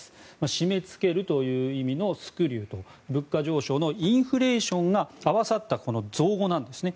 締めつけるという意味のスクリューと物価上昇のインフレーションが合わさった造語なんですね。